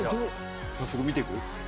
早速見ていく？